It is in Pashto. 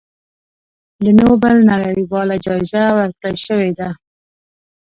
د نوبل نړیواله جایزه ورکړی شوې ده.